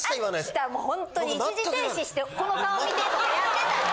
あんたほんとに一時停止して「この顔見て」とかやってたで。